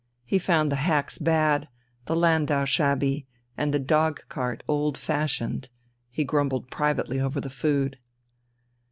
He found the hacks bad, the landau shabby, and the dog cart old fashioned; he grumbled privately over the food.